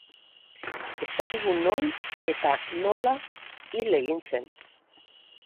Ez dakigu noiz eta nola hil egin zen.